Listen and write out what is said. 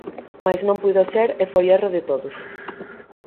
Mais non puido ser e foi erro de todos.